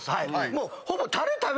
もうほぼ。